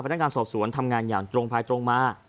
พนักงานสอบสวนทำงานอย่างตรงภายตรงมา